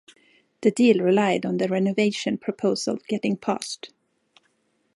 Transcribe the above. The deal relied on the renovation proposal getting passed.